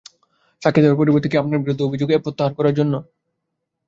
সাক্ষী দেয়ার পরিবর্তে কি আপনার বিরুদ্ধে অভিযোগ প্রত্যাহার করার জন্য?